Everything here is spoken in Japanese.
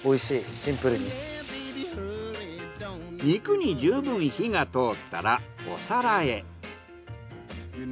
肉に十分火が通ったらお皿へ。